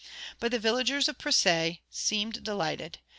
But the villagers of Précy seemed delighted.